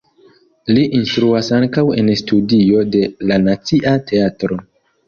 Li instruas ankaŭ en studio de la Nacia Teatro.